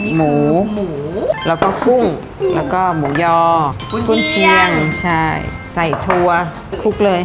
หมูหมูแล้วก็กุ้งแล้วก็หมูยอกุ้นเชียงใช่ใส่ถั่วคลุกเลย